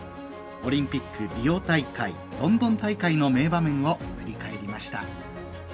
オリンピックリオ大会ロンドン大会の名場面を振り返りました。